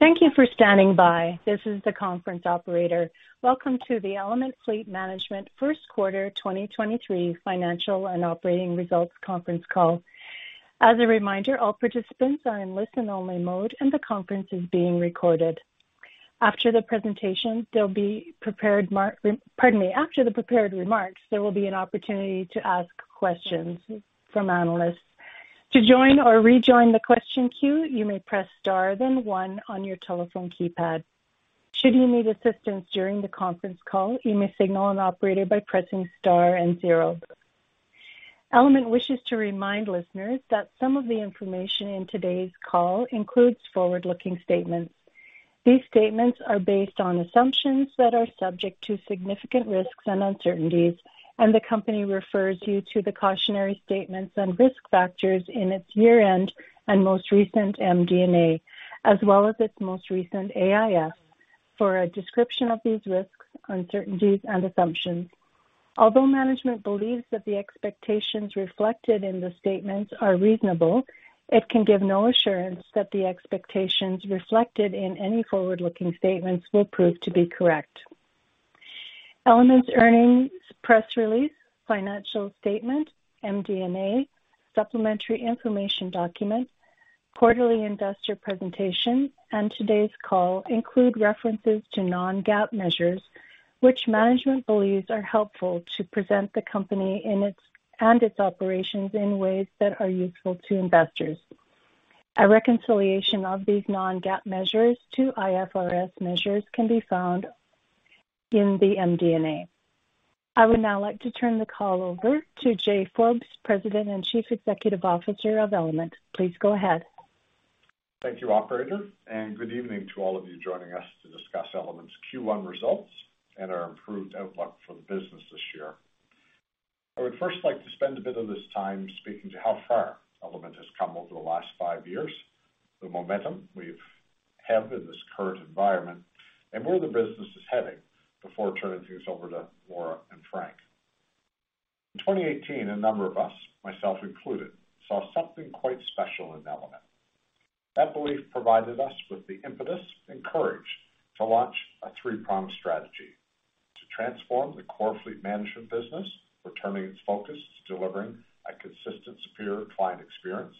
Thank you for standing by. This is the conference operator. Welcome to the Element Fleet Management First Quarter 2023 Financial and Operating Results Conference Call. As a reminder, all participants are in listen-only mode, and the conference is being recorded. After the presentation, there'll be Pardon me. After the prepared remarks, there will be an opportunity to ask questions from analysts. To join or rejoin the question queue, you may press Star, then one on your telephone keypad. Should you need assistance during the conference call, you may signal an operator by pressing Star and zero. Element wishes to remind listeners that some of the information in today's call includes forward-looking statements. These statements are based on assumptions that are subject to significant risks and uncertainties. The company refers you to the cautionary statements and risk factors in its year-end and most recent MD&A, as well as its most recent AIF, for a description of these risks, uncertainties and assumptions. Although management believes that the expectations reflected in the statements are reasonable, it can give no assurance that the expectations reflected in any forward-looking statements will prove to be correct. Element's earnings press release, financial statement, MD&A, supplementary information document, quarterly investor presentation and today's call include references to non-GAAP measures, which management believes are helpful to present the company and its operations in ways that are useful to investors. A reconciliation of these non-GAAP measures to IFRS measures can be found in the MD&A. I would now like to turn the call over to Jay Forbes, President and Chief Executive Officer of Element. Please go ahead. Thank you, operator, good evening to all of you joining us to discuss Element's Q1 results and our improved outlook for the business this year. I would first like to spend a bit of this time speaking to how far Element has come over the last five years, the momentum we have in this current environment, and where the business is heading before turning things over to Laura and Frank. In 2018, a number of us, myself included, saw something quite special in Element. That belief provided us with the impetus and courage to launch a three-pronged strategy to transform the core fleet management business, returning its focus to delivering a consistent, superior client experience,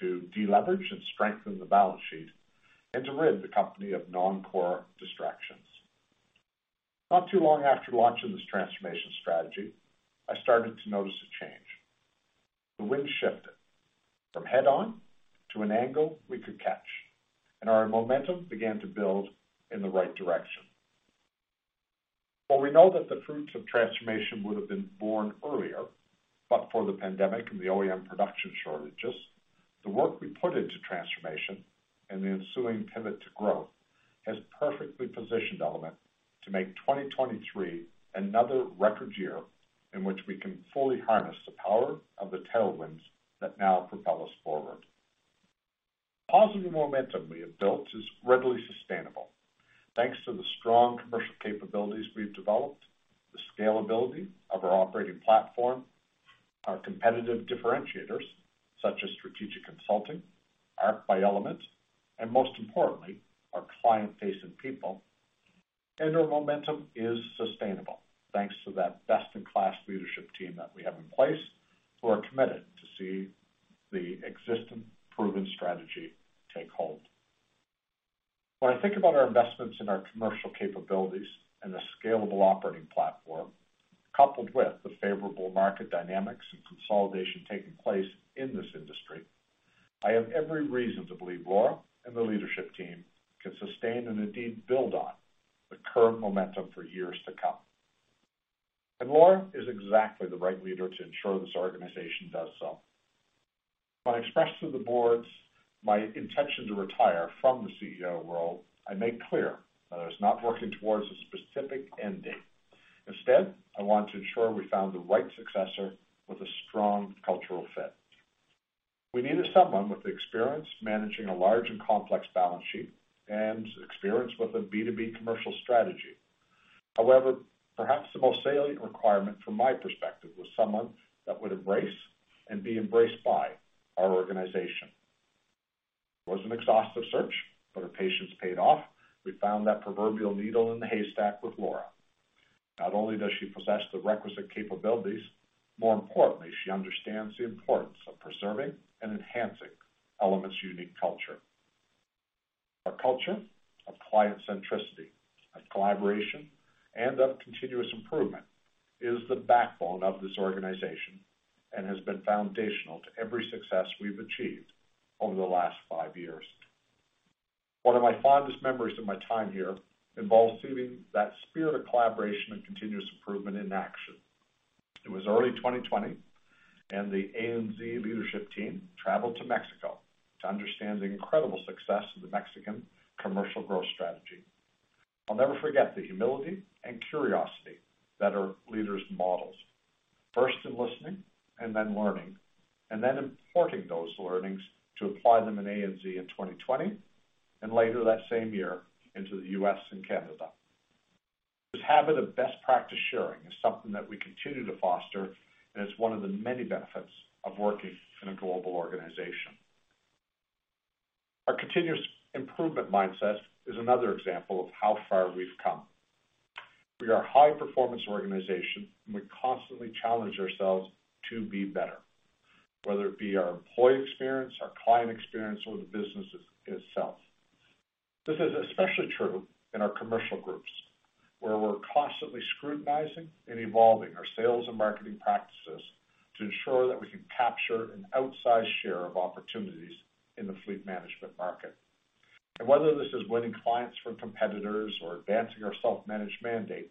to deleverage and strengthen the balance sheet, and to rid the company of non-core distractions. Not too long after launching this transformation strategy, I started to notice a change. The wind shifted from head on to an angle we could catch. Our momentum began to build in the right direction. While we know that the fruits of transformation would have been born earlier, but for the pandemic and the OEM production shortages, the work we put into transformation and the ensuing pivot to growth has perfectly positioned Element to make 2023 another record year in which we can fully harness the power of the tailwinds that now propel us forward. The positive momentum we have built is readily sustainable. Thanks to the strong commercial capabilities we've developed, the scalability of our operating platform, our competitive differentiators such as strategic consulting, Arc by Element, and most importantly, our client-facing people. Our momentum is sustainable thanks to that best-in-class leadership team that we have in place who are committed to see the existing proven strategy take hold. When I think about our investments in our commercial capabilities and the scalable operating platform, coupled with the favorable market dynamics and consolidation taking place in this industry, I have every reason to believe Laura and the leadership team can sustain and indeed build on the current momentum for years to come. Laura is exactly the right leader to ensure this organization does so. When I expressed to the boards my intention to retire from the CEO role, I made clear that I was not working towards a specific end date. Instead, I wanted to ensure we found the right successor with a strong cultural fit. We needed someone with experience managing a large and complex balance sheet and experience with a B2B commercial strategy. Perhaps the most salient requirement from my perspective was someone that would embrace and be embraced by our organization. It was an exhaustive search, but our patience paid off. We found that proverbial needle in the haystack with Laura. Not only does she possess the requisite capabilities, more importantly, she understands the importance of preserving and enhancing Element's unique culture. Our culture of client centricity, of collaboration, and of continuous improvement is the backbone of this organization and has been foundational to every success we've achieved over the last five years. One of my fondest memories of my time here involves seeing that spirit of collaboration and continuous improvement in action. It was early 2020, and the ANZ leadership team traveled to Mexico to understand the incredible success of the Mexican commercial growth strategy. I'll never forget the humility and curiosity that our leaders modeled, first in listening and then learning, and then importing those learnings to apply them in ANZ in 2020 and later that same year into the U.S. and Canada. This habit of best practice sharing is something that we continue to foster, and it's one of the many benefits of working in a global organization. Our continuous improvement mindset is another example of how far we've come. We are a high-performance organization, and we constantly challenge ourselves to be better, whether it be our employee experience, our client experience, or the business itself. This is especially true in our commercial groups, where we're constantly scrutinizing and evolving our sales and marketing practices to ensure that we can capture an outsized share of opportunities in the fleet management market. Whether this is winning clients from competitors or advancing our self-managed mandate,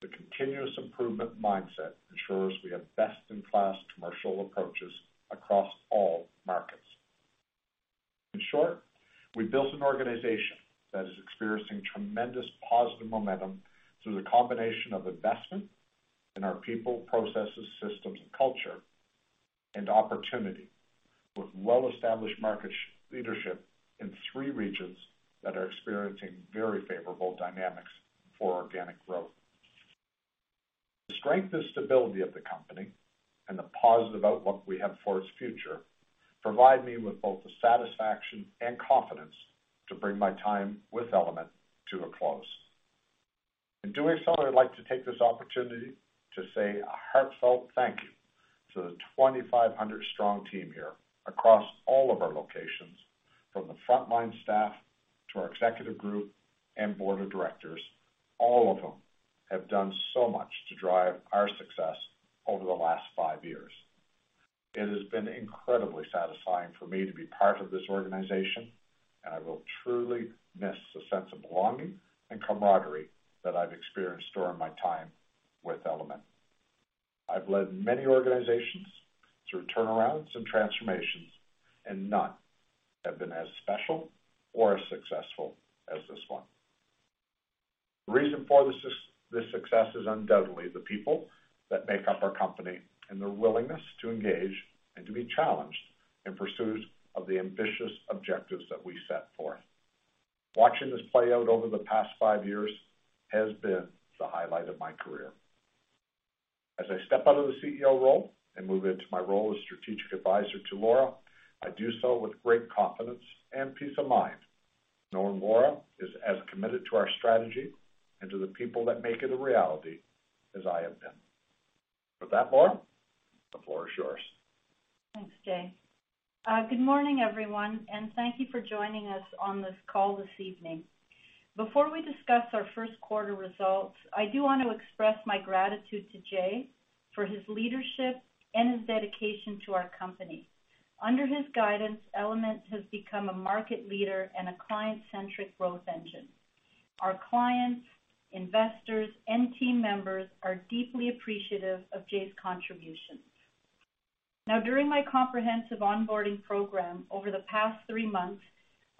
the continuous improvement mindset ensures we have best-in-class commercial approaches across all markets. In short, we built an organization that is experiencing tremendous positive momentum through the combination of investment in our people, processes, systems, and culture, and opportunity with well-established market leadership in three regions that are experiencing very favorable dynamics for organic growth. The strength and stability of the company and the positive outlook we have for its future provide me with both the satisfaction and confidence to bring my time with Element to a close. In doing so, I'd like to take this opportunity to say a heartfelt thank you to the 2,500 strong team here across all of our locations, from the frontline staff to our executive group and board of directors. All of them have done so much to drive our success over the last five years. It has been incredibly satisfying for me to be part of this organization, and I will truly miss the sense of belonging and camaraderie that I've experienced during my time with Element. I've led many organizations through turnarounds and transformations, and none have been as special or as successful as this one. The reason for this success is undoubtedly the people that make up our company, and their willingness to engage and to be challenged in pursuit of the ambitious objectives that we set forth. Watching this play out over the past five years has been the highlight of my career. As I step out of the CEO role and move into my role as strategic advisor to Laura, I do so with great confidence and peace of mind, knowing Laura is as committed to our strategy and to the people that make it a reality as I have been. With that, Laura, the floor is yours. Thanks, Jay. Good morning, everyone, and thank you for joining us on this call this evening. Before we discuss our first quarter results, I do want to express my gratitude to Jay for his leadership and his dedication to our company. Under his guidance, Element has become a market leader and a client-centric growth engine. Our clients, investors, and team members are deeply appreciative of Jay's contributions. Now, during my comprehensive onboarding program over the past three months,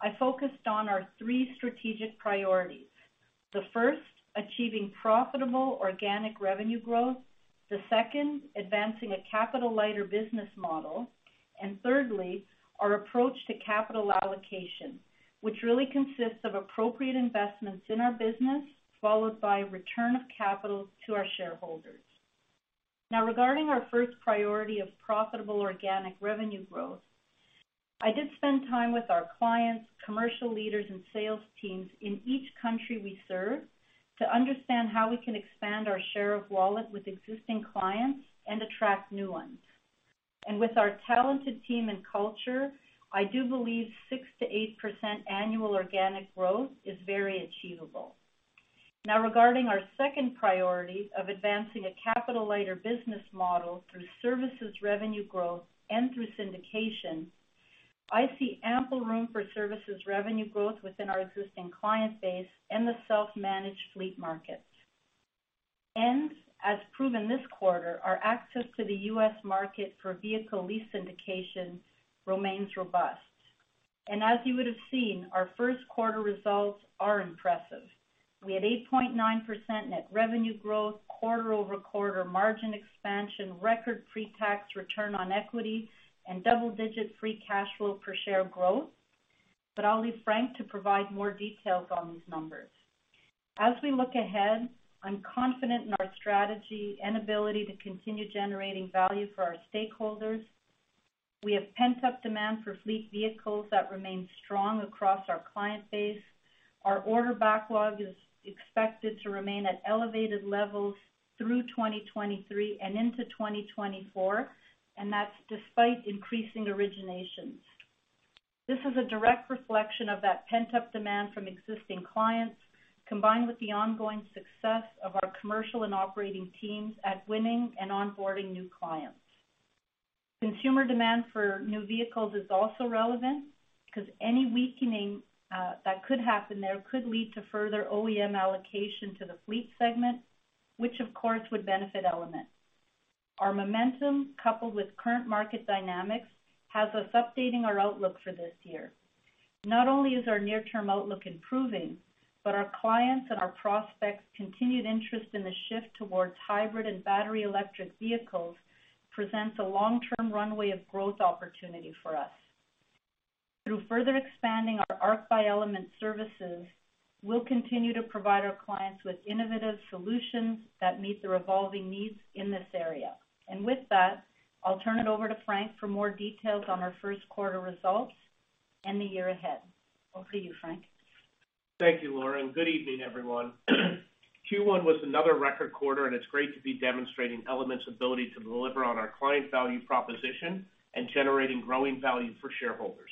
I focused on our three strategic priorities. The first, achieving profitable organic revenue growth. The second, advancing a capital-lighter business model. Thirdly, our approach to capital allocation, which really consists of appropriate investments in our business, followed by return of capital to our shareholders. Now, regarding our first priority of profitable organic revenue growth, I did spend time with our clients, commercial leaders, and sales teams in each country we serve to understand how we can expand our share of wallet with existing clients and attract new ones. With our talented team and culture, I do believe 6%-8% annual organic growth is very achievable. Now, regarding our second priority of advancing a capital-lighter business model through services revenue growth and through syndication, I see ample room for services revenue growth within our existing client base and the self-managed fleet markets. As proven this quarter, our access to the U.S. market for vehicle lease syndication remains robust. As you would have seen, our first quarter results are impressive. We had 8.9% net revenue growth, quarter-over-quarter margin expansion, record pre-tax return on equity, and double-digit free cash flow per share growth. I'll leave Frank to provide more details on these numbers. As we look ahead, I'm confident in our strategy and ability to continue generating value for our stakeholders. We have pent-up demand for fleet vehicles that remains strong across our client base. Our order backlog is expected to remain at elevated levels through 2023 and into 2024, and that's despite increasing originations. This is a direct reflection of that pent-up demand from existing clients, combined with the ongoing success of our commercial and operating teams at winning and onboarding new clients. Consumer demand for new vehicles is also relevant because any weakening that could happen there could lead to further OEM allocation to the fleet segment, which of course would benefit Element. Our momentum, coupled with current market dynamics, has us updating our outlook for this year. Not only is our near-term outlook improving, but our clients' and our prospects' continued interest in the shift towards hybrid and battery electric vehicles presents a long-term runway of growth opportunity for us. Through further expanding our Arc by Element services, we'll continue to provide our clients with innovative solutions that meet their evolving needs in this area. With that, I'll turn it over to Frank for more details on our first quarter results and the year ahead. Over to you, Frank. Thank you, Laura, good evening, everyone. Q1 was another record quarter, and it's great to be demonstrating Element's ability to deliver on our client value proposition and generating growing value for shareholders.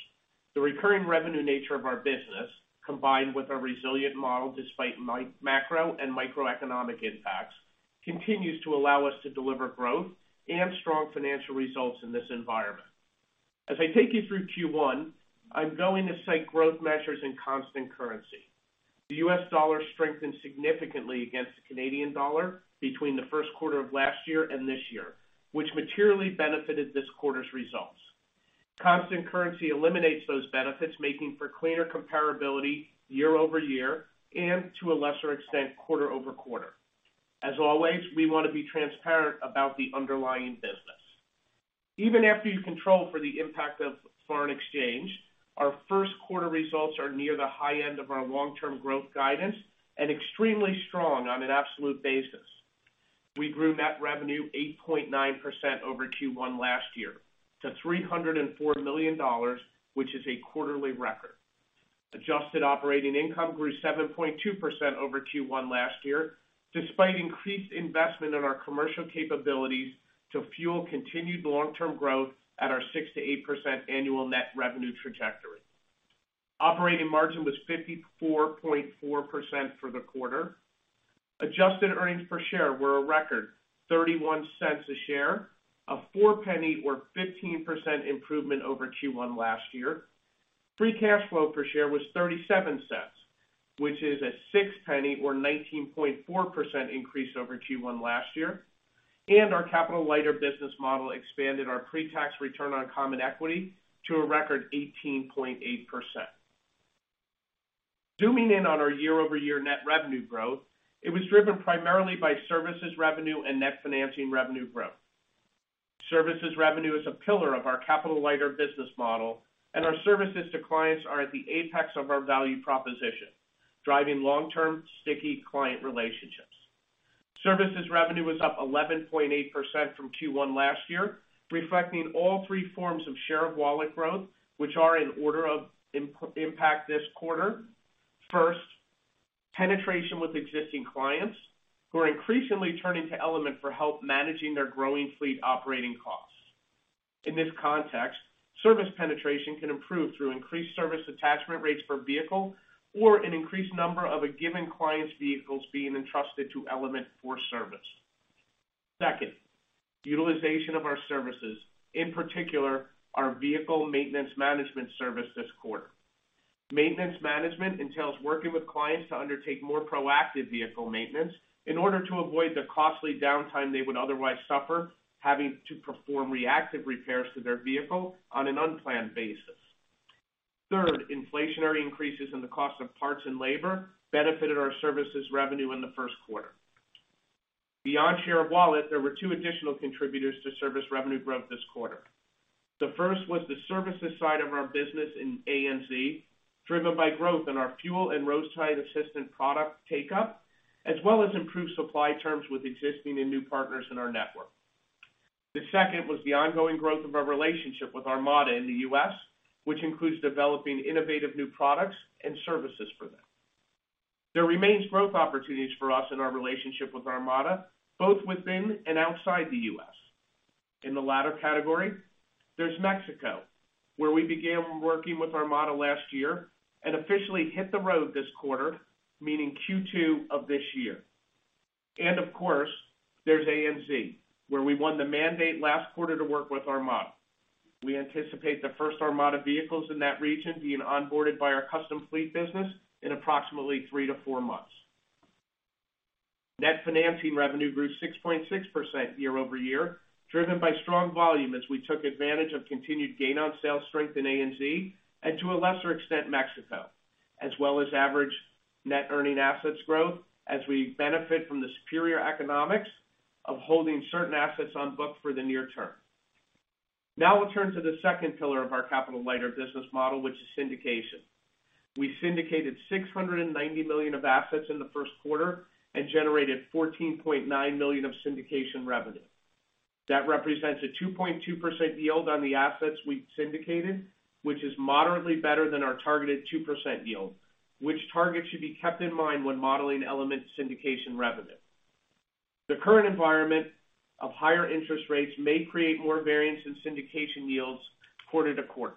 The recurring revenue nature of our business, combined with our resilient model despite macro and microeconomic impacts, continues to allow us to deliver growth and strong financial results in this environment. As I take you through Q1, I'm going to cite growth measures in constant currency. The U.S. dollar strengthened significantly against the Canadian dollar between the first quarter of last year and this year, which materially benefited this quarter's results. Constant currency eliminates those benefits, making for cleaner comparability year-over-year and, to a lesser extent, quarter-over-quarter. As always, we want to be transparent about the underlying business. Even after you control for the impact of foreign exchange, our first quarter results are near the high end of our long-term growth guidance and extremely strong on an absolute basis. We grew net revenue 8.9% over Q1 last year to 304 million dollars, which is a quarterly record. Adjusted operating income grew 7.2% over Q1 last year, despite increased investment in our commercial capabilities to fuel continued long-term growth at our 6%-8% annual net revenue trajectory. Operating margin was 54.4% for the quarter. Adjusted earnings per share were a record 0.31 a share, a 4-penny or 15% improvement over Q1 last year. Free cash flow per share was 0.37, which is a 6-penny or 19.4% increase over Q1 last year. Our capital-lighter business model expanded our pre-tax return on common equity to a record 18.8%. Zooming in on our year-over-year net revenue growth, it was driven primarily by services revenue and net financing revenue growth. Services revenue is a pillar of our capital-lighter business model, and our services to clients are at the apex of our value proposition, driving long-term, sticky client relationships. Services revenue was up 11.8% from Q1 last year, reflecting all three forms of share of wallet growth, which are in order of impact this quarter. First, penetration with existing clients who are increasingly turning to Element for help managing their growing fleet operating costs. In this context, service penetration can improve through increased service attachment rates per vehicle or an increased number of a given client's vehicles being entrusted to Element for service. Second, utilization of our services, in particular, our vehicle maintenance management service this quarter. Maintenance management entails working with clients to undertake more proactive vehicle maintenance in order to avoid the costly downtime they would otherwise suffer having to perform reactive repairs to their vehicle on an unplanned basis. Third, inflationary increases in the cost of parts and labor benefited our services revenue in the first quarter. Beyond share of wallet, there were two additional contributors to service revenue growth this quarter. The first was the services side of our business in ANZ, driven by growth in our fuel and roadside assistance product take up, as well as improved supply terms with existing and new partners in our network. The second was the ongoing growth of our relationship with Armada in the U.S., which includes developing innovative new products and services for them. There remains growth opportunities for us in our relationship with Armada, both within and outside the U.S. In the latter category, there's Mexico, where we began working with Armada last year and officially hit the road this quarter, meaning Q2 of this year. Of course, there's ANZ, where we won the mandate last quarter to work with Armada. We anticipate the first Armada vehicles in that region being onboarded by our Custom Fleet business in approximately 3-4 months. Net financing revenue grew 6.6% year-over-year, driven by strong volume as we took advantage of continued gain on sales strength in ANZ, and to a lesser extent, Mexico, as well as average net earning assets growth as we benefit from the superior economics of holding certain assets on book for the near term. Now we'll turn to the second pillar of our capital-lighter business model, which is syndication. We syndicated 690 million of assets in the first quarter and generated 14.9 million of syndication revenue. That represents a 2.2% yield on the assets we syndicated, which is moderately better than our targeted 2% yield, which target should be kept in mind when modeling Element syndication revenue. The current environment of higher interest rates may create more variance in syndication yields quarter-to-quarter.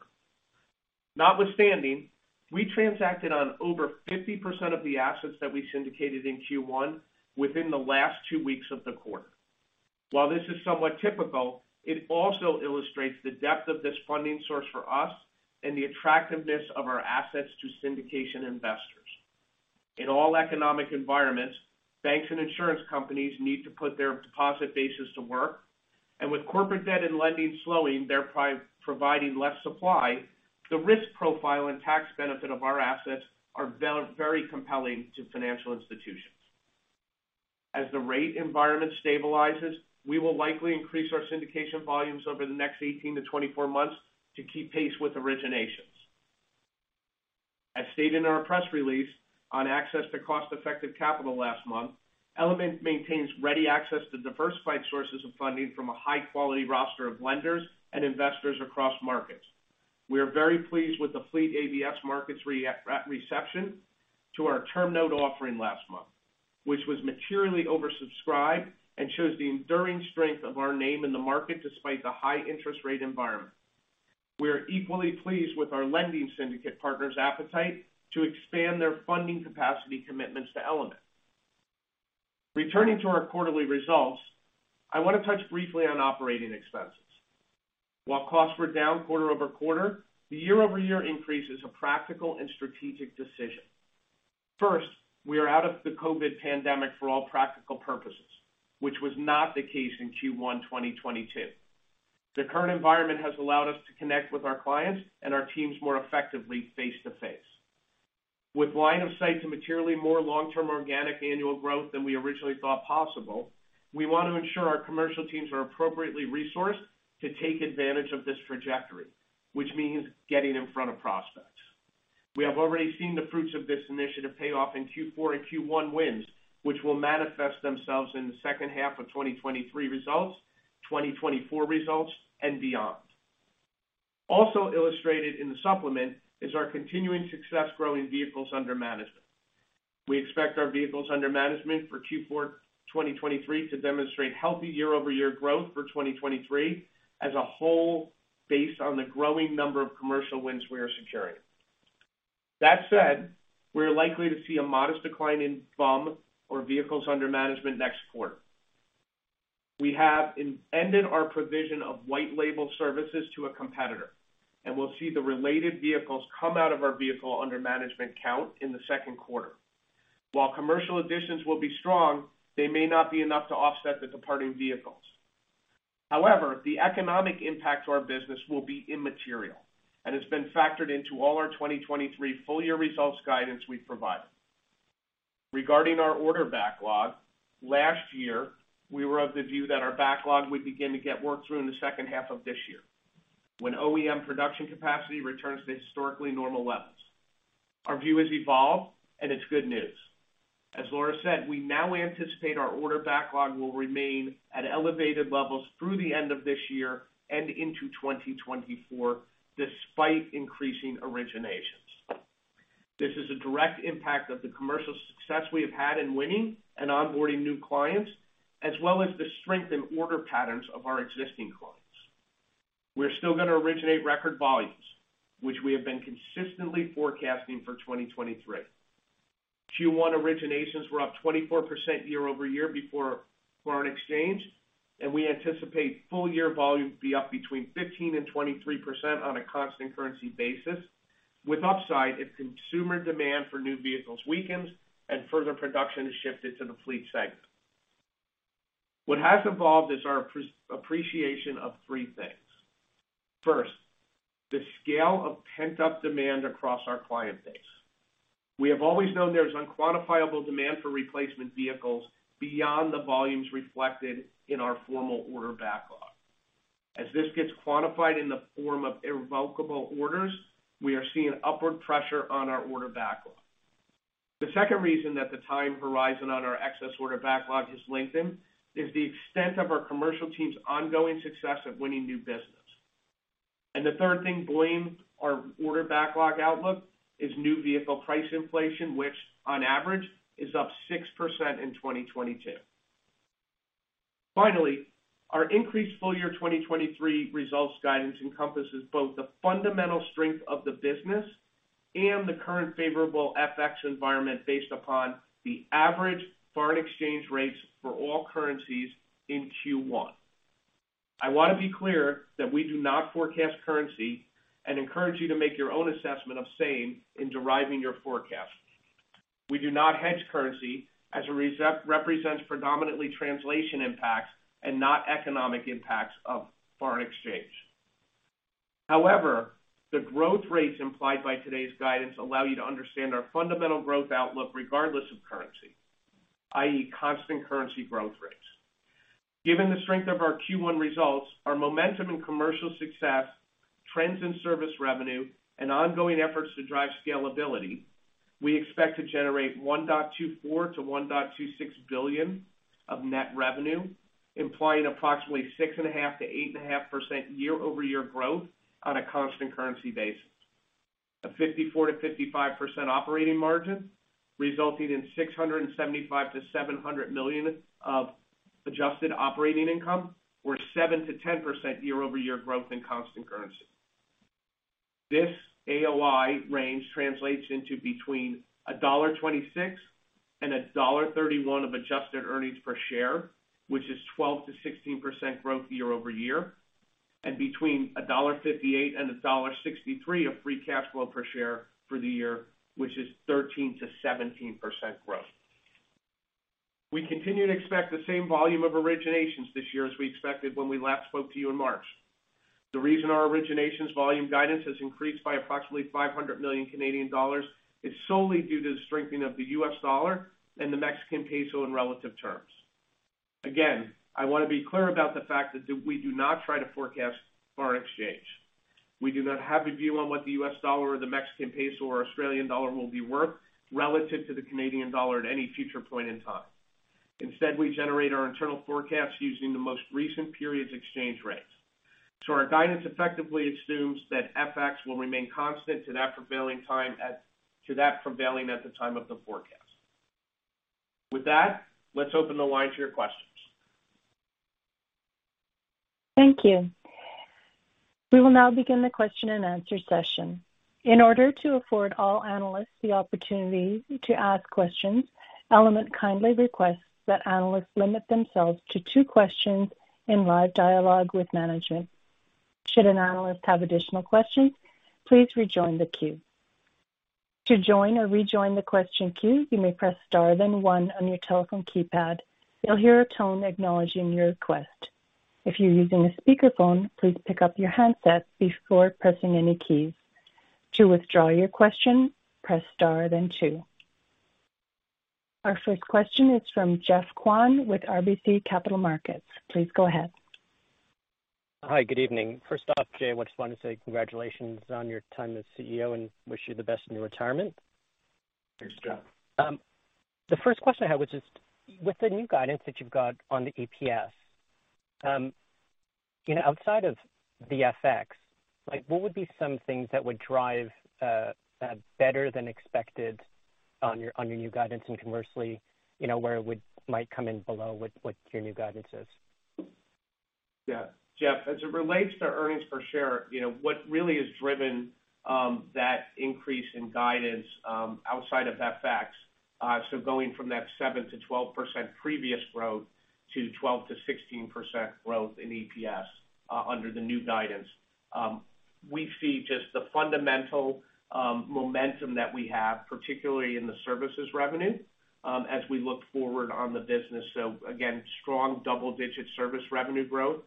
Notwithstanding, we transacted on over 50% of the assets that we syndicated in Q1 within the last two weeks of the quarter. While this is somewhat typical, it also illustrates the depth of this funding source for us and the attractiveness of our assets to syndication investors. In all economic environments, banks and insurance companies need to put their deposit bases to work. With corporate debt and lending slowing, they're providing less supply, the risk profile and tax benefit of our assets are very compelling to financial institutions. As the rate environment stabilizes, we will likely increase our syndication volumes over the next 18 to 24 months to keep pace with originations. As stated in our press release on access to cost-effective capital last month, Element maintains ready access to diversified sources of funding from a high-quality roster of lenders and investors across markets. We are very pleased with the fleet ABS markets reception to our term note offering last month, which was materially oversubscribed and shows the enduring strength of our name in the market despite the high interest rate environment. We are equally pleased with our lending syndicate partners' appetite to expand their funding capacity commitments to Element. Returning to our quarterly results, I want to touch briefly on operating expenses. While costs were down quarter-over-quarter, the year-over-year increase is a practical and strategic decision. First, we are out of the COVID pandemic for all practical purposes, which was not the case in Q1 2022. The current environment has allowed us to connect with our clients and our teams more effectively face to face. With line of sight to materially more long-term organic annual growth than we originally thought possible, we want to ensure our commercial teams are appropriately resourced to take advantage of this trajectory, which means getting in front of prospects. We have already seen the fruits of this initiative pay off in Q4 and Q1 wins, which will manifest themselves in the second half of 2023 results, 2024 results, and beyond. Also illustrated in the supplement is our continuing success growing vehicles under management. We expect our vehicles under management for Q4 2023 to demonstrate healthy year-over-year growth for 2023 as a whole, based on the growing number of commercial wins we are securing. That said, we are likely to see a modest decline in VUM, or vehicles under management, next quarter. We have ended our provision of white label services to a competitor, and we'll see the related vehicles come out of our vehicle under management count in the second quarter. While commercial additions will be strong, they may not be enough to offset the departing vehicles. The economic impact to our business will be immaterial and has been factored into all our 2023 full-year results guidance we've provided. Regarding our order backlog, last year, we were of the view that our backlog would begin to get worked through in the second half of this year when OEM production capacity returns to historically normal levels. Our view has evolved, it's good news. As Laura said, we now anticipate our order backlog will remain at elevated levels through the end of this year and into 2024, despite increasing originations. This is a direct impact of the commercial success we have had in winning and onboarding new clients, as well as the strength in order patterns of our existing clients. We're still gonna originate record volumes, which we have been consistently forecasting for 2023. Q1 originations were up 24% year-over-year before foreign exchange. We anticipate full-year volume to be up between 15% and 23% on a constant currency basis, with upside if consumer demand for new vehicles weakens and further production is shifted to the fleet segment. What has evolved is our appreciation of three things. First, the scale of pent-up demand across our client base. We have always known there's unquantifiable demand for replacement vehicles beyond the volumes reflected in our formal order backlog. As this gets quantified in the form of irrevocable orders, we are seeing upward pressure on our order backlog. The second reason that the time horizon on our excess order backlog has lengthened is the extent of our commercial team's ongoing success of winning new business. The third thing blamed our order backlog outlook is new vehicle price inflation, which on average is up 6% in 2022. Finally, our increased full year 2023 results guidance encompasses both the fundamental strength of the business and the current favorable FX environment based upon the average foreign exchange rates for all currencies in Q1. I want to be clear that we do not forecast currency and encourage you to make your own assessment of same in deriving your forecast. We do not hedge currency as it represents predominantly translation impacts and not economic impacts of foreign exchange. However, the growth rates implied by today's guidance allow you to understand our fundamental growth outlook regardless of currency, i.e., constant currency growth rates. Given the strength of our Q1 results, our momentum and commercial success, trends in service revenue, and ongoing efforts to drive scalability, we expect to generate 1.24 billion-1.26 billion of net revenue, implying approximately 6.5%-8.5% year-over-year growth on a constant currency basis. A 54%-55% operating margin resulting in 675 million-700 million of adjusted operating income or 7%-10% year-over-year growth in constant currency. This AOI range translates into between dollar 1.26 and dollar 1.31 of adjusted earnings per share, which is 12%-16% growth year-over-year, and between dollar 1.58 and dollar 1.63 of free cash flow per share for the year, which is 13%-17% growth. We continue to expect the same volume of originations this year as we expected when we last spoke to you in March. The reason our originations volume guidance has increased by approximately 500 million Canadian dollars is solely due to the strengthening of the US dollar and the Mexican peso in relative terms. I wanna be clear about the fact that we do not try to forecast foreign exchange. We do not have a view on what the US dollar or the Mexican peso or Australian dollar will be worth relative to the Canadian dollar at any future point in time. We generate our internal forecasts using the most recent period's exchange rates. Our guidance effectively assumes that FX will remain constant to that prevailing at the time of the forecast. With that, let's open the line to your questions. Thank you. We will now begin the question and answer session. In order to afford all analysts the opportunity to ask questions, Element kindly requests that analysts limit themselves to two questions in live dialogue with management. Should an analyst have additional questions, please rejoin the queue. To join or rejoin the question queue, you may press star then one on your telephone keypad. You'll hear a tone acknowledging your request. If you're using a speakerphone, please pick up your handset before pressing any keys. To withdraw your question, press star then two. Our first question is from Geoffrey Kwan with RBC Capital Markets. Please go ahead. Hi, good evening. First off, Jay, I just wanna say congratulations on your time as CEO and wish you the best in your retirement. Thanks, Geof. The first question I had was just with the new guidance that you've got on the EPS, you know, outside of the FX, like, what would be some things that would drive, better than expected on your, on your new guidance, and commercially, you know, where it might come in below what your new guidance is? Yeah.Geof, as it relates to earnings per share, you know, what really has driven that increase in guidance outside of FX, so going from that 7%-12% previous growth to 12%-16% growth in EPS under the new guidance. We see just the fundamental momentum that we have, particularly in the services revenue, as we look forward on the business. Again, strong double-digit service revenue growth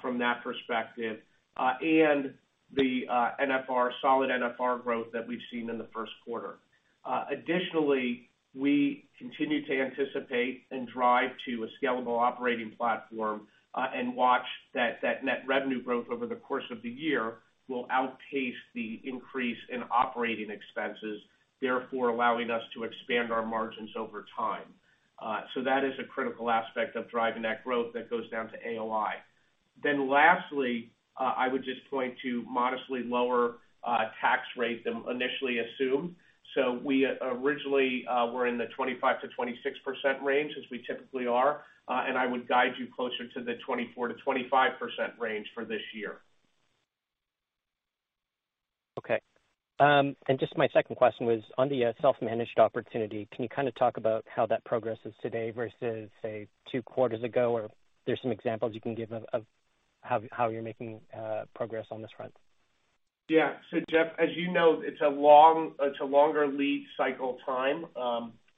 from that perspective, and the NFR, solid NFR growth that we've seen in the first quarter. Additionally, we continue to anticipate and drive to a scalable operating platform, and watch that net revenue growth over the course of the year will outpace the increase in operating expenses, therefore allowing us to expand our margins over time. That is a critical aspect of driving that growth that goes down to AOI. Lastly, I would just point to modestly lower tax rate than initially assumed. We originally were in the 25%-26% range, as we typically are, and I would guide you closer to the 24%-25% range for this year. Okay. Just my second question was on the self-managed opportunity. Can you kinda talk about how that progress is today versus, say, 2 quarters ago? Or there's some examples you can give of how you're making progress on this front? Yeah.Geof, as you know, it's a longer lead cycle time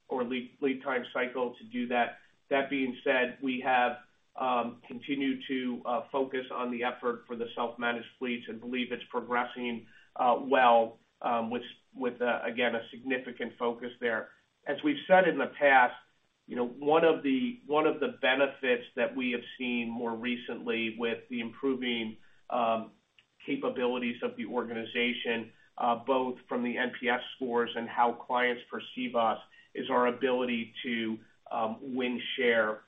or lead time cycle to do that. That being said, we have continued to focus on the effort for the self-managed fleets and believe it's progressing well with again, a significant focus there. As we've said in the past, you know, one of the benefits that we have seen more recently with the improving capabilities of the organization, both from the NPS scores and how clients perceive us, is our ability to win share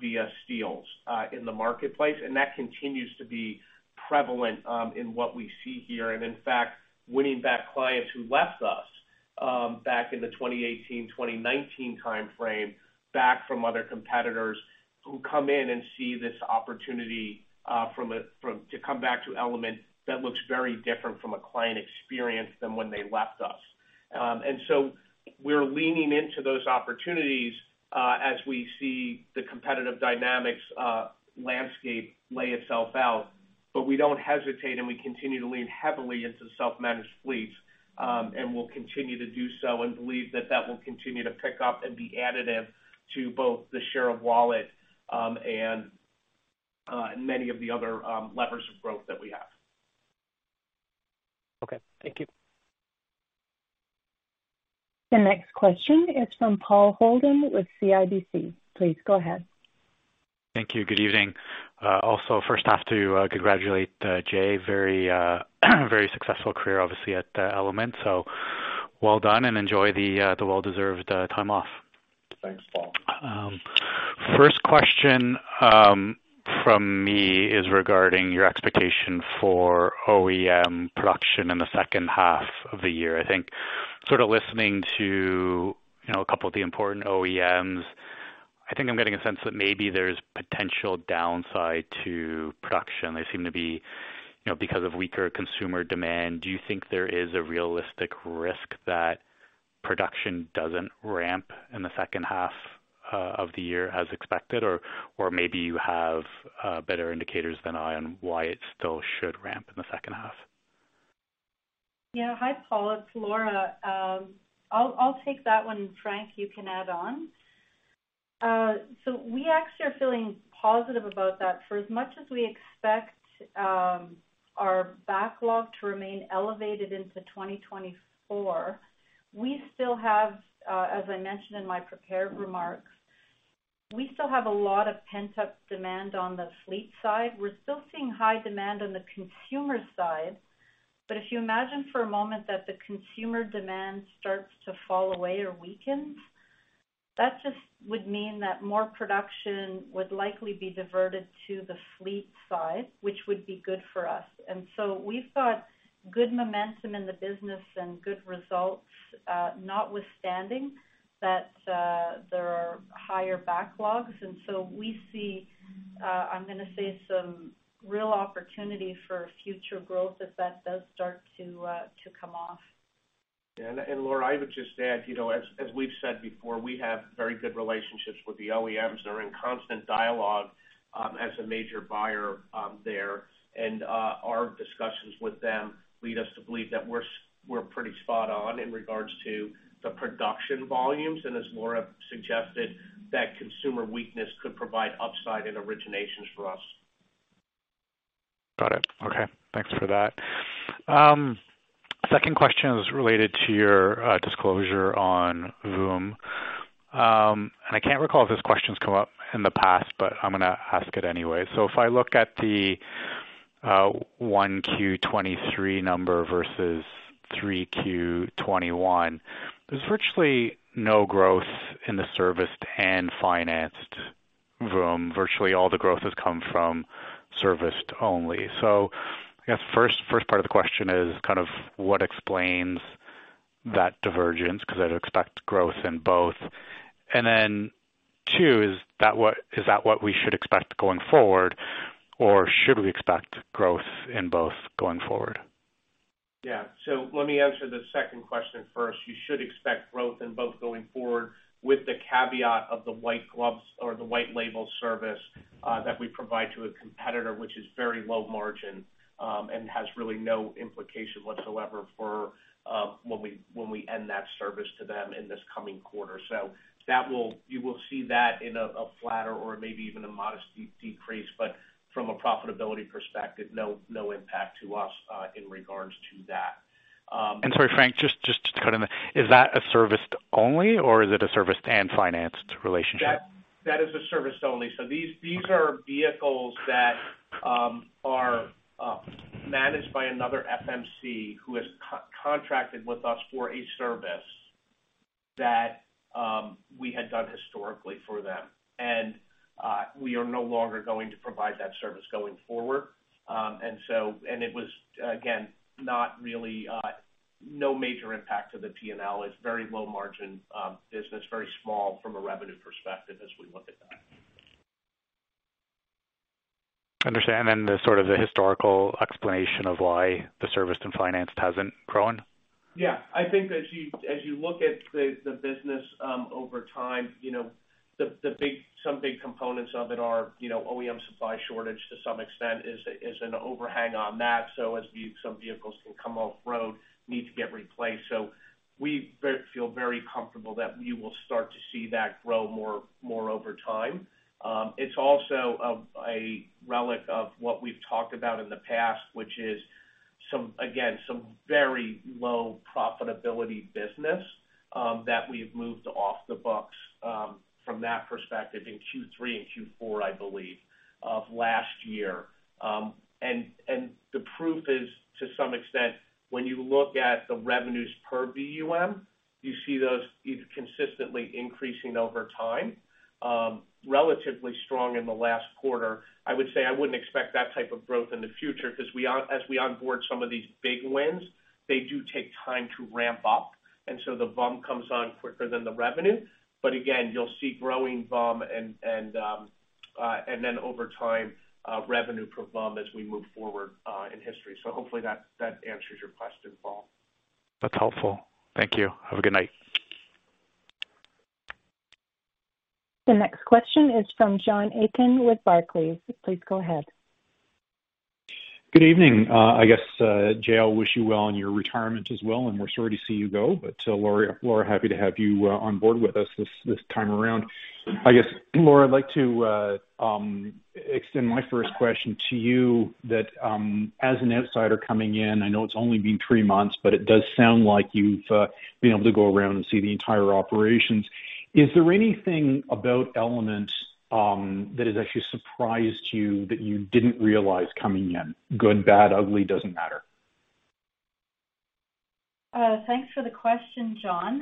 via steals in the marketplace. That continues to be prevalent in what we see here, and in fact, winning back clients who left us back in the 2018, 2019 timeframe, back from other competitors who come in and see this opportunity to come back to Element that looks very different from a client experience than when they left us. So we're leaning into those opportunities as we see the competitive dynamics landscape lay itself out. We don't hesitate, and we continue to lean heavily into self-managed fleets, and we'll continue to do so and believe that that will continue to pick up and be additive to both the share of wallet, and many of the other levers of growth that we have. Okay. Thank you. The next question is from Paul Holden with CIBC. Please go ahead. Thank you. Good evening. Also first have to congratulate Jay. Very very successful career, obviously at Element. Well done and enjoy the well-deserved time off. Thanks, Paul. First question from me is regarding your expectation for OEM production in the second half of the year. I think sort of listening to, you know, a couple of the important OEMs, I think I'm getting a sense that maybe there's potential downside to production. They seem to be, you know, because of weaker consumer demand, do you think there is a realistic risk that production doesn't ramp in the second half of the year as expected? Or maybe you have better indicators than I on why it still should ramp. Yeah. Hi, Paul, it's Laura. I'll take that one, and Frank, you can add on. We actually are feeling positive about that. For as much as we expect, our backlog to remain elevated into 2024, we still have, as I mentioned in my prepared remarks, we still have a lot of pent-up demand on the fleet side. We're still seeing high demand on the consumer side. If you imagine for a moment that the consumer demand starts to fall away or weakens, that just would mean that more production would likely be diverted to the fleet side, which would be good for us. We've got good momentum in the business and good results, notwithstanding that, there are higher backlogs. We see, I'm gonna say, some real opportunity for future growth if that does start to come off. Laura, I would just add, you know, as we've said before, we have very good relationships with the OEMs. They're in constant dialogue, as a major buyer, there. Our discussions with them lead us to believe that we're pretty spot on in regards to the production volumes, and as Laura suggested, that consumer weakness could provide upside in originations for us. Got it. Okay. Thanks for that. Second question is related to your disclosure on VUM. I can't recall if this question's come up in the past, but I'm gonna ask it anyway. If I look at the 1 Q-2023 number versus 3 Q-2021, there's virtually no growth in the serviced and financed VUM. Virtually all the growth has come from serviced only. I guess first part of the question is kind of what explains that divergence? 'Cause I'd expect growth in both. Then two, is that what we should expect going forward? Or should we expect growth in both going forward? Let me answer the second question first. You should expect growth in both going forward with the caveat of the white label service that we provide to a competitor which is very low margin, and has really no implication whatsoever for when we end that service to them in this coming quarter. You will see that in a flatter or maybe even a modest de-decrease, but from a profitability perspective, no impact to us in regards to that. Sorry, Frank, just to cut in there. Is that a serviced only or is it a serviced and financed relationship? That is a serviced only. These are vehicles that are managed by another FMC who has co-contracted with us for a service that we had done historically for them. We are no longer going to provide that service going forward. It was, again, not really no major impact to the P&L. It's very low margin business, very small from a revenue perspective as we look at that. Understand. Then the sort of the historical explanation of why the serviced and financed hasn't grown? Yeah. I think as you, as you look at the business over time, you know, some big components of it are, you know, OEM supply shortage to some extent is an overhang on that. As some vehicles can come off road need to get replaced. We feel very comfortable that you will start to see that grow more over time. It's also a relic of what we've talked about in the past, which is some, again, some very low profitability business that we've moved off the books from that perspective in Q3 and Q4, I believe, of last year. The proof is to some extent when you look at the revenues per VUM, you see those either consistently increasing over time, relatively strong in the last quarter. I would say I wouldn't expect that type of growth in the future 'cause we as we onboard some of these big wins, they do take time to ramp up. The VUM comes on quicker than the revenue. Again, you'll see growing VUM and then over time, revenue per VUM as we move forward, in history. Hopefully that answers your question, Paul. That's helpful. Thank you. Have a good night. The next question is from John Aiken with Barclays. Please go ahead. Good evening. I guess, Jay, I'll wish you well in your retirement as well, and we're sorry to see you go. Laura, happy to have you on board with us this time around. I guess, Laura, I'd like to extend my first question to you that, as an outsider coming in, I know it's only been three months, but it does sound like you've been able to go around and see the entire operations. Is there anything about Element that has actually surprised you that you didn't realize coming in? Good, bad, ugly, doesn't matter. Thanks for the question, John.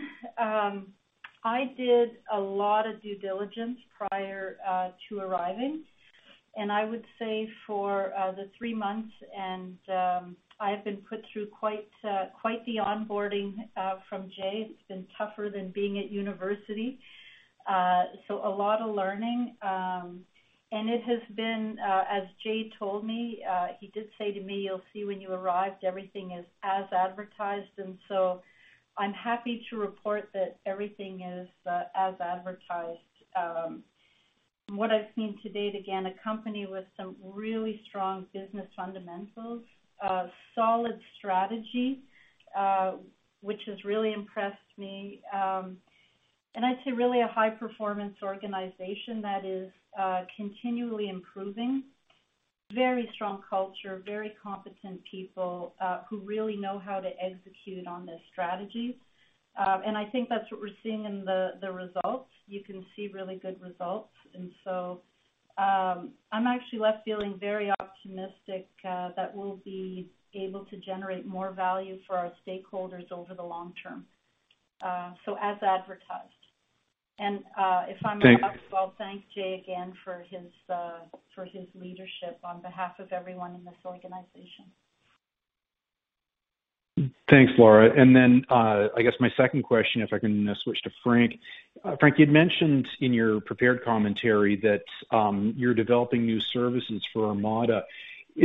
I did a lot of due diligence prior to arriving, and I would say for the three months and I have been put through quite the onboarding from Jay. It's been tougher than being at university. A lot of learning. It has been, as Jay told me, he did say to me, "You'll see when you arrived, everything is as advertised." I'm happy to report that everything is as advertised. From what I've seen to date, again, a company with some really strong business fundamentals, solid strategy, which has really impressed me. I'd say really a high performance organization that is continually improving. Very strong culture, very competent people, who really know how to execute on their strategies. I think that's what we're seeing in the results. You can see really good results. So, I'm actually left feeling very optimistic, that we'll be able to generate more value for our stakeholders over the long term, so as advertised. If I may as well thank Jay again for his leadership on behalf of everyone in this organization. Thanks, Laura. I guess my second question, if I can switch to Frank. Frank, you'd mentioned in your prepared commentary that you're developing new services for Armada. Are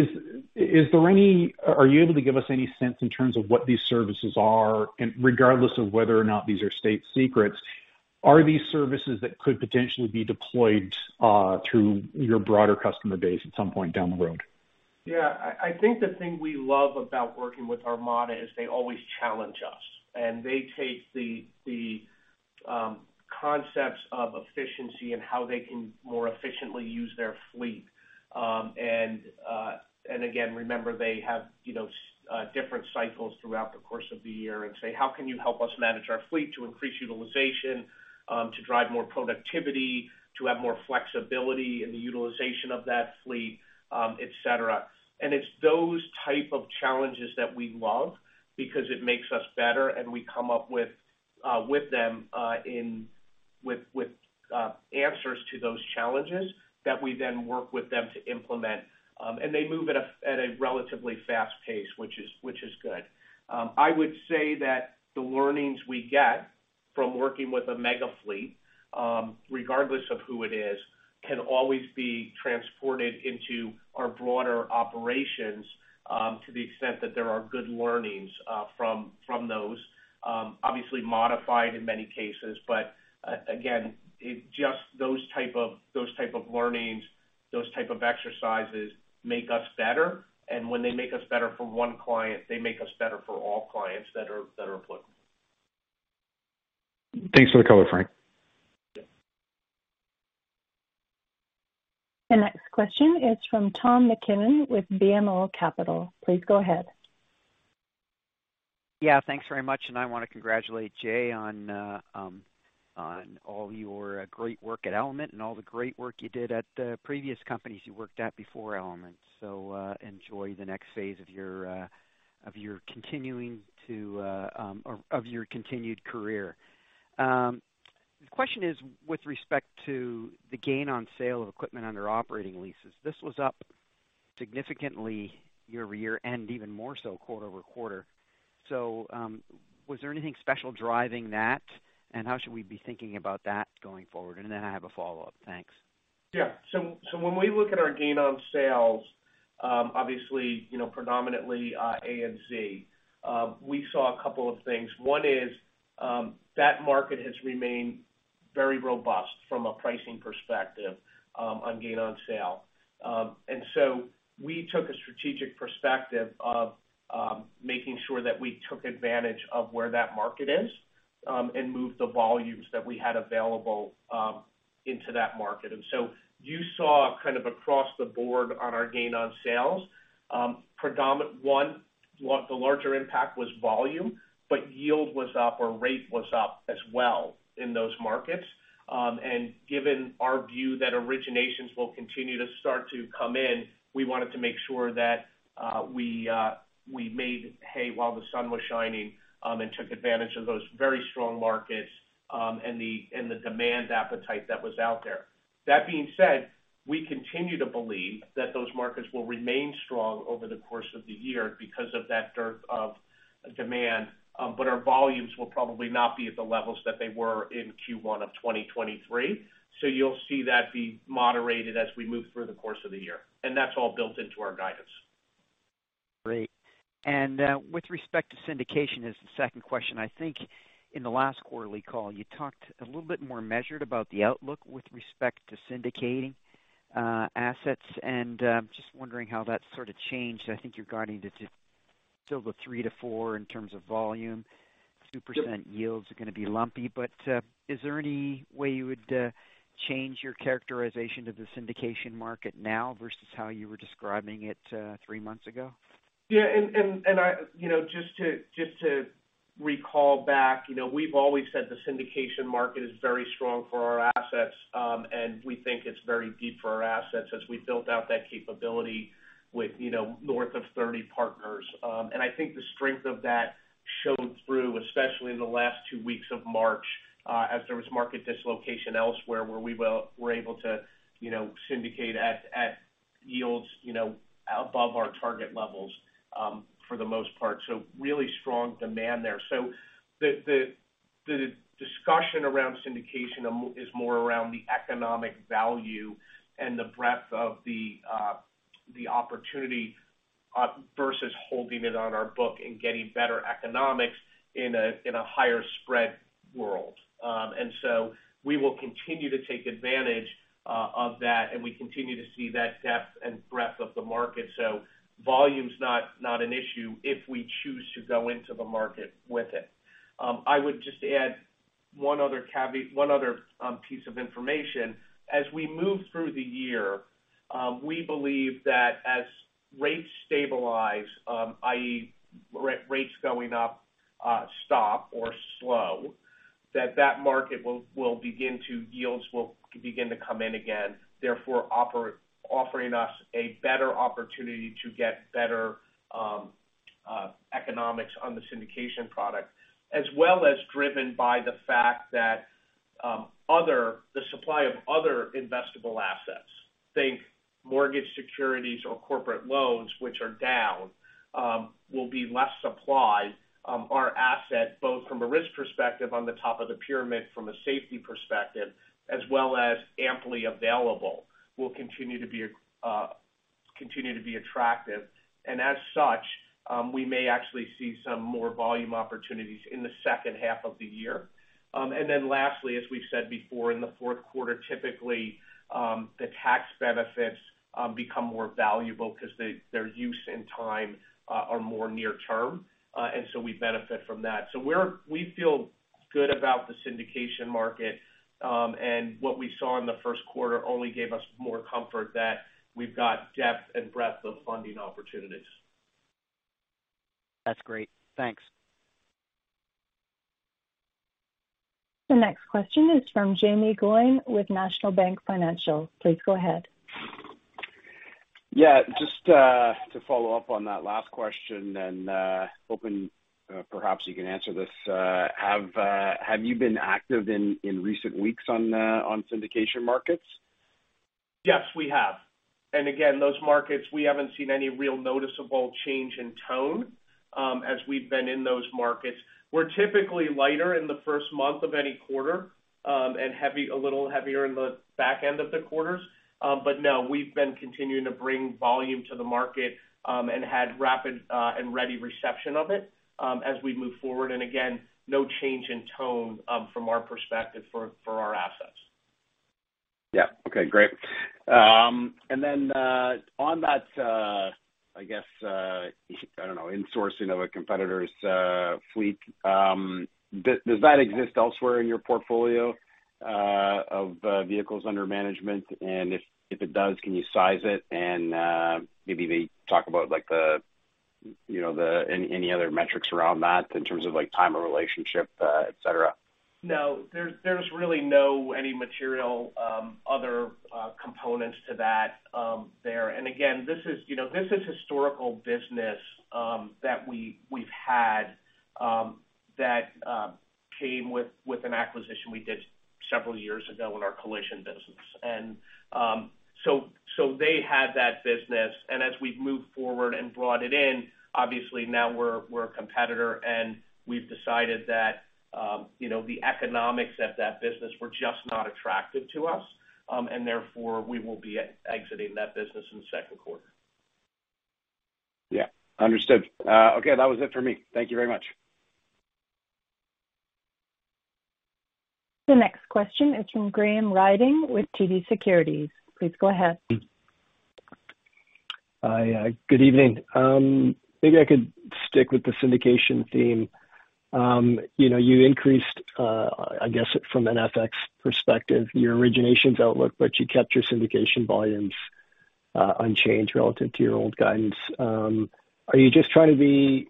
you able to give us any sense in terms of what these services are? Regardless of whether or not these are state secrets, are these services that could potentially be deployed through your broader customer base at some point down the road? Yeah. I think the thing we love about working with Armada is they always challenge us, and they take the concepts of efficiency and how they can more efficiently use their fleet. Again, remember they have, you know, different cycles throughout the course of the year and say, "How can you help us manage our fleet to increase utilization, to drive more productivity, to have more flexibility in the utilization of that fleet, et cetera?" It's those type of challenges that we love because it makes us better, and we come up with them in with answers to those challenges that we then work with them to implement. They move at a relatively fast pace, which is, which is good. I would say that the learnings we get from working with a mega fleet, regardless of who it is, can always be transported into our broader operations, to the extent that there are good learnings, from those. Obviously modified in many cases, but again, it just those type of learnings, those type of exercises make us better. When they make us better for one client, they make us better for all clients that are deployed. Thanks for the color, Frank. Yeah. The next question is from Tom MacKinnon with BMO Capital. Please go ahead. Thanks very much. I wanna congratulate Jay on on all your great work at Element and all the great work you did at the previous companies you worked at before Element. Enjoy the next phase of your of your continuing to or of your continued career. The question is with respect to the gain on sale of equipment under operating leases. This was up significantly year-over-year and even more so quarter-over-quarter. Was there anything special driving that? How should we be thinking about that going forward? I have a follow-up. Thanks. When we look at our gain on sales, obviously, you know, predominantly, A and Z, we saw a couple of things. One is that market has remained very robust from a pricing perspective on gain on sale. We took a strategic perspective of making sure that we took advantage of where that market is and moved the volumes that we had available into that market. You saw kind of across the board on our gain on sales, one, the larger impact was volume, but yield was up or rate was up as well in those markets. Given our view that originations will continue to start to come in, we wanted to make sure that we made hay while the sun was shining, and took advantage of those very strong markets, and the demand appetite that was out there. That being said, we continue to believe that those markets will remain strong over the course of the year because of that dearth of demand. Our volumes will probably not be at the levels that they were in Q1 of 2023. You'll see that be moderated as we move through the course of the year, and that's all built into our guidance. Great. With respect to syndication is the second question. I think in the last quarterly call, you talked a little bit more measured about the outlook with respect to syndicating assets. Just wondering how that sort of changed. I think you're guiding to still the 3-4 in terms of volume. Yep. 2% yields are gonna be lumpy. Is there any way you would change your characterization of the syndication market now versus how you were describing it three months ago? Yeah. I, you know, just to recall back, you know, we've always said the syndication market is very strong for our assets. We think it's very deep for our assets as we built out that capability with, you know, north of 30 partners. I think the strength of that showed through, especially in the last two weeks of March, as there was market dislocation elsewhere where we're able to, you know, syndicate at yields, you know, above our target levels for the most part. Really strong demand there. The discussion around syndication is more around the economic value and the breadth of the opportunity versus holding it on our book and getting better economics in a higher spread world. We will continue to take advantage of that, and we continue to see that depth and breadth of the market. Volume's not an issue if we choose to go into the market with it. I would just add one other piece of information. As we move through the year, we believe that as rates stabilize, i.e., rates going up stop or slow, yields will begin to come in again, therefore offering us a better opportunity to get better economics on the syndication product. As well as driven by the fact that, the supply of other investable assets, think mortgage securities or corporate loans which are down, will be less supplied. Our asset, both from a risk perspective on the top of the pyramid from a safety perspective as well as amply available will continue to be, continue to be attractive. As such, we may actually see some more volume opportunities in the second half of the year. Lastly, as we've said before, in the fourth quarter, typically, the tax benefits, become more valuable because they-their use and time, are more near term. We benefit from that. We feel good about the syndication market. What we saw in the first quarter only gave us more comfort that we've got depth and breadth of funding opportunities. That's great. Thanks. The next question is from Jaeme Gloyn with National Bank Financial. Please go ahead. Yeah, just to follow up on that last question and, hoping, perhaps you can answer this. Have you been active in recent weeks on syndication markets? Yes, we have. Again, those markets, we haven't seen any real noticeable change in tone, as we've been in those markets. We're typically lighter in the first month of any quarter, and a little heavier in the back end of the quarters. No, we've been continuing to bring volume to the market, and had rapid, and ready reception of it, as we move forward. Again, no change in tone, from our perspective for our assets. Yeah. Okay, great. On that, I guess, I don't know, insourcing of a competitor's fleet, does that exist elsewhere in your portfolio of vehicles under management? If it does, can you size it and maybe talk about like the, you know, any other metrics around that in terms of like time or relationship, et cetera? No, there's really no any material, other, components to that, there. Again, this is, you know, this is historical business that we've had, that came with an acquisition we did several years ago in our collision business. So, so they had that business. As we've moved forward and brought it in, obviously now we're a competitor, and we've decided that, you know, the economics of that business were just not attractive to us. Therefore we will be exiting that business in the second quarter. Yeah. Understood. Okay, that was it for me. Thank you very much. The next question is from Graham Ryding with TD Securities. Please go ahead. Hi. Good evening. Maybe I could stick with the syndication theme. You know, you increased, I guess from an FX perspective, your originations outlook, but you kept your syndication volumes unchanged relative to your old guidance. Are you just trying to be...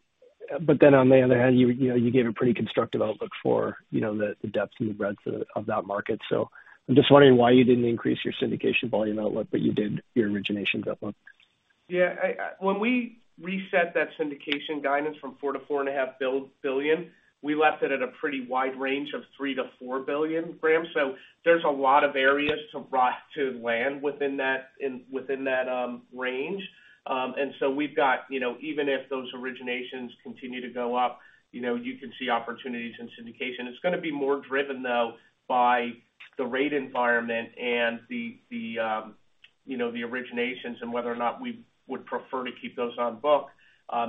on the other hand, you know, you gave a pretty constructive outlook for, you know, the depths and the breadths of that market. I'm just wondering why you didn't increase your syndication volume outlook, but you did your origination outlook. Yeah. When we reset that syndication guidance from $4 billion-$4.5 billion, we left it at a pretty wide range of $3 billion-$4 billion, Graham. There's a lot of areas to brought to land within that, within that range. We've got, you know, even if those originations continue to go up, you know, you can see opportunities in syndication. It's gonna be more driven though by the rate environment and the, you know, the originations and whether or not we would prefer to keep those on book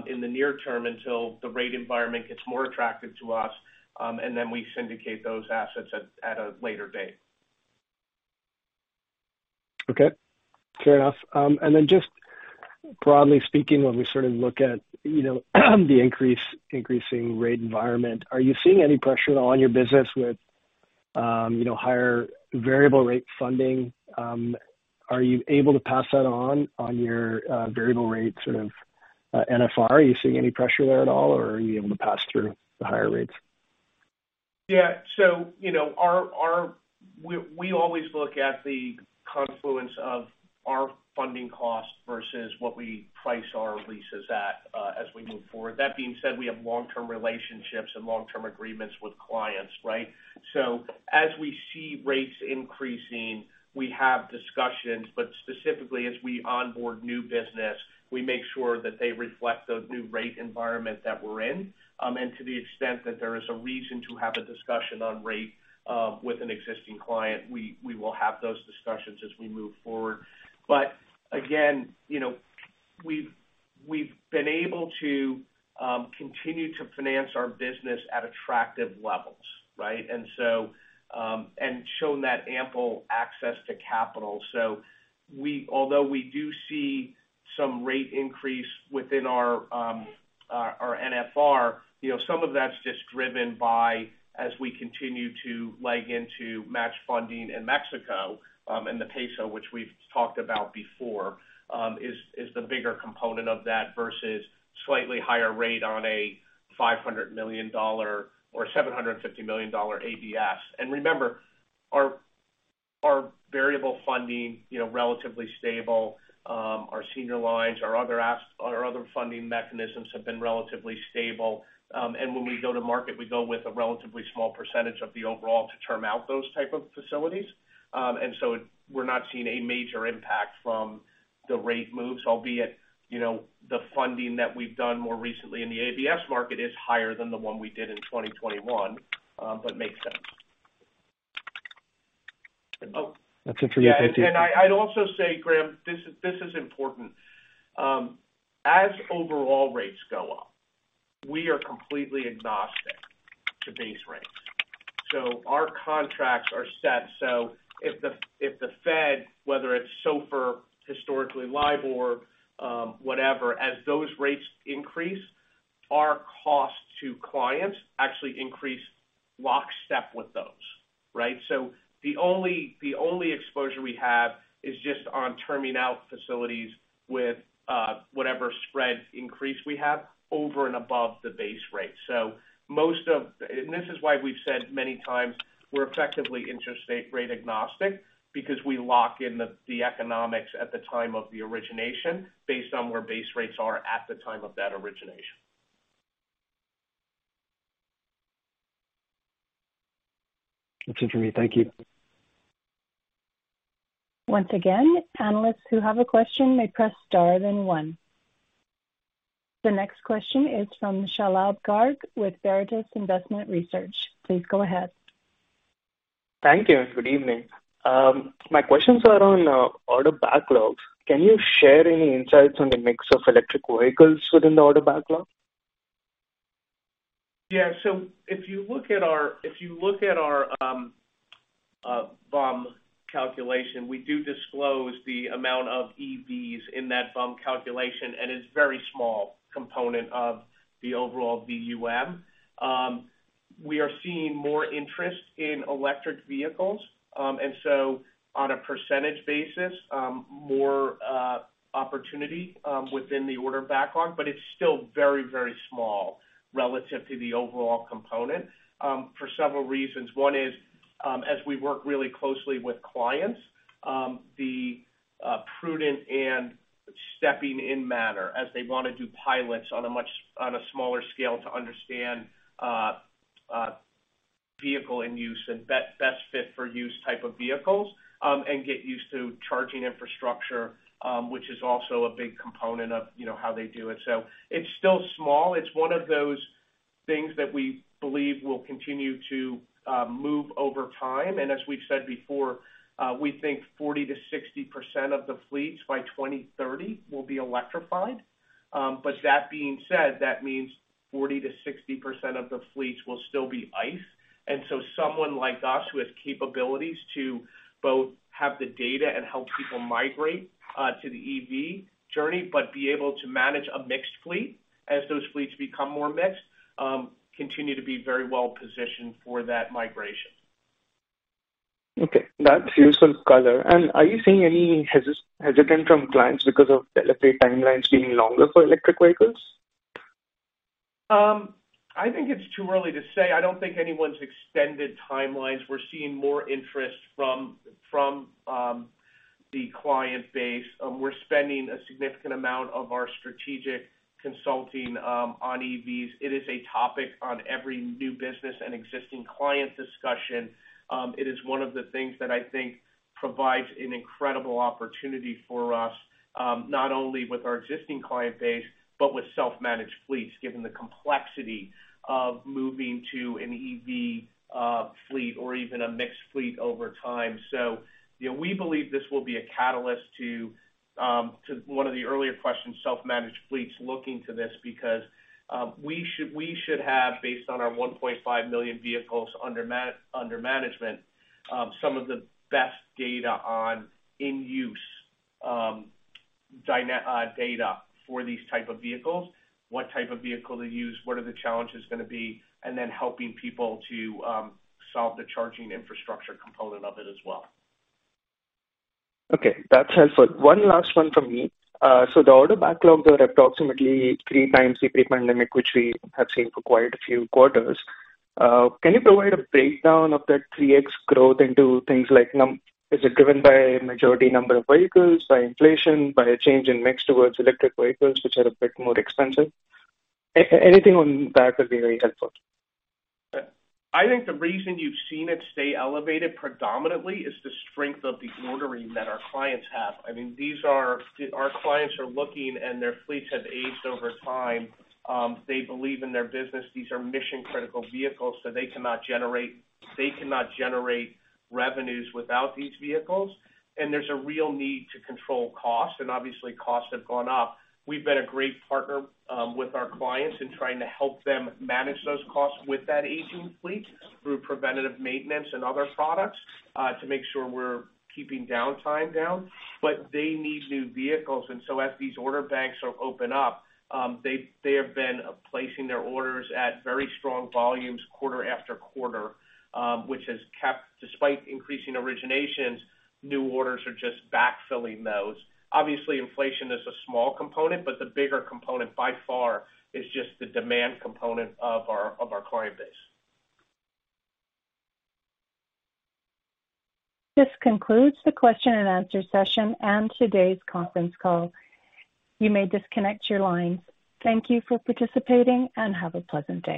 in the near term until the rate environment gets more attractive to us, and then we syndicate those assets at a later date. Okay. Fair enough. Just broadly speaking, when we sort of look at, you know, the increasing rate environment, are you seeing any pressure at all on your business with, you know, higher variable rate funding? Are you able to pass that on your variable rate sort of NFR? Are you seeing any pressure there at all, or are you able to pass through the higher rates? Yeah, you know, our we always look at the confluence of our funding costs versus what we price our leases at as we move forward. That being said, we have long-term relationships and long-term agreements with clients, right? As we see rates increasing, we have discussions, but specifically as we onboard new business, we make sure that they reflect the new rate environment that we're in. To the extent that there is a reason to have a discussion on rate with an existing client, we will have those discussions as we move forward. Again, you know, We've been able to continue to finance our business at attractive levels, right? And shown that ample access to capital. Although we do see some rate increase within our NFR, you know, some of that's just driven by as we continue to leg into match funding in Mexico, and the peso, which we've talked about before, is the bigger component of that versus slightly higher rate on a $500 million or $750 million ABS. Remember, our variable funding, you know, relatively stable, our senior lines, our other funding mechanisms have been relatively stable. When we go to market, we go with a relatively small percentage of the overall to term out those type of facilities. We're not seeing a major impact from the rate moves, albeit, you know, the funding that we've done more recently in the ABS market is higher than the one we did in 2021. Makes sense. That's it for me. Thank you. Yeah. I'd also say, Graham, this is important. As overall rates go up, we are completely agnostic to base rates. Our contracts are set, so if the Fed, whether it's SOFR, historically LIBOR, whatever, as those rates increase, our cost to clients actually increase lockstep with those, right? The only exposure we have is just on terming out facilities with, whatever spread increase we have over and above the base rate. This is why we've said many times we're effectively interest rate agnostic because we lock in the economics at the time of the origination based on where base rates are at the time of that origination. That's it for me. Thank you. Once again, panelists who have a question may press Star then one. The next question is from Shalabh Garg with Veritas Investment Research. Please go ahead. Thank you. Good evening. My questions are on order backlogs. Can you share any insights on the mix of electric vehicles within the order backlog? Yeah. If you look at our VUM calculation, we do disclose the amount of EVs in that VUM calculation, and it's very small component of the overall VUM. We are seeing more interest in electric vehicles. On a percentage basis, more opportunity within the order backlog. It's still very small relative to the overall component for several reasons. One is, as we work really closely with clients, the prudent and stepping in manner as they want to do pilots on a smaller scale to understand vehicle in use and best fit for use type of vehicles, and get used to charging infrastructure, which is also a big component of, you know, how they do it. It's still small. It's one of those things that we believe will continue to move over time. As we've said before, we think 40% to 60% of the fleets by 2030 will be electrified. That being said, that means 40% to 60% of the fleets will still be ICE. Someone like us who has capabilities to both have the data and help people migrate to the EV journey, but be able to manage a mixed fleet as those fleets become more mixed, continue to be very well positioned for that migration. Okay, that's useful color. Are you seeing any hesitant from clients because of delivery timelines getting longer for electric vehicles? I think it's too early to say. I don't think anyone's extended timelines. We're seeing more interest from the client base. We're spending a significant amount of our strategic consulting on EVs. It is a topic on every new business and existing client discussion. It is one of the things that I think provides an incredible opportunity for us, not only with our existing client base, but with self-managed fleets, given the complexity of moving to an EV fleet or even a mixed fleet over time. You know, we believe this will be a catalyst to one of the earlier questions, self-managed fleets looking to this because we should have based on our 1.5 million vehicles under management, some of the best data on in-use data for these type of vehicles. What type of vehicle to use, what are the challenges going to be, and then helping people to solve the charging infrastructure component of it as well. Okay, that's helpful. One last one from me. The order backlog there approximately 3x the pre-pandemic level, which we have seen for quite a few quarters. Can you provide a breakdown of that 3x growth into things like number of vehicles, by inflation, by a change in mix towards electric vehicles which are a bit more expensive? Anything on that would be very helpful. I think the reason you've seen it stay elevated predominantly is the strength of the ordering that our clients have. I mean, our clients are looking and their fleets have aged over time. They believe in their business. These are mission-critical vehicles, they cannot generate revenues without these vehicles. There's a real need to control costs, and obviously costs have gone up. We've been a great partner with our clients in trying to help them manage those costs with that aging fleet through preventative maintenance and other products to make sure we're keeping downtime down. They need new vehicles, as these order banks are open up, they have been placing their orders at very strong volumes quarter after quarter, which has kept despite increasing originations, new orders are just backfilling those. Obviously, inflation is a small component, but the bigger component by far is just the demand component of our client base. This concludes the question and answer session and today's conference call. You may disconnect your lines. Thank you for participating and have a pleasant day.